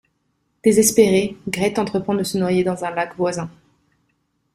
Désespérée, Grete entreprend de se noyer dans un lac voisin.